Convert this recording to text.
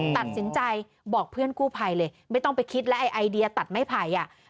ตัดสินใจบอกเพื่อนกู้ภัยเลยไม่ต้องไปคิดแล้วไอเดียตัดไม้ไผ่อ่ะ